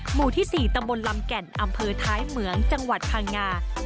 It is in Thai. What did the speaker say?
หมู่ที่๔ตำบลลำแก่นอำเภอท้ายเหมืองจังหวัดพังงา